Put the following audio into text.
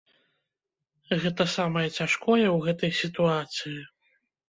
Гэта самае цяжкое ў гэтай сітуацыі.